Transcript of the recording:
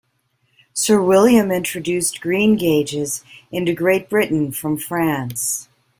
Sir William introduced greengages into Great Britain from France.